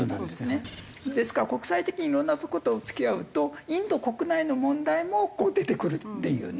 ですから国際的にいろんなとこと付き合うとインド国内の問題も出てくるっていうね。